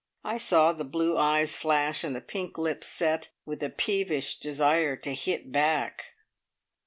I saw the blue eyes flash, and the pink lips set, with a peevish desire to "hit back!"